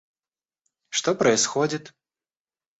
Что происходит?